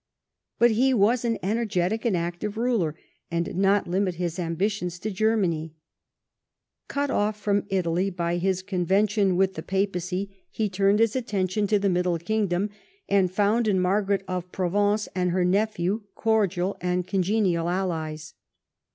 But he Avas an energetic and active ruler, and did not limit his ambitions to Germany. Cut off from Italy by his convention Avith the papacy, he turned his attention to V EDWARD'S CONTINENTAL POLICY 95 the Middle Kingdom, and found in Margaret of Provence and her nephew cordial and congenial allies.